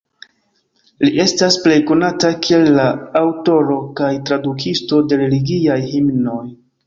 Li estas plej konata kiel la aŭtoro kaj tradukisto de religiaj himnoj.